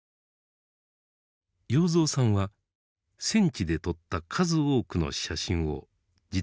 要三さんは戦地で撮った数多くの写真を自宅に持ち帰っていました。